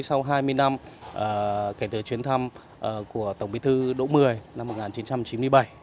sau hai mươi năm kể từ chuyến thăm của tổng bí thư đỗ mười năm một nghìn chín trăm chín mươi bảy